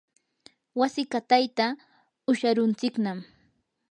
wasi qatayta usharuntsiknam.